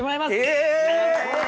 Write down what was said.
え！